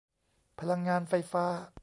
พลังงานไฟฟ้า